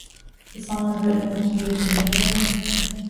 The song is written in the key of D Major.